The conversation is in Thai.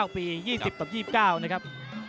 ๙ปี๒๐ต่อ๒๙นะครับ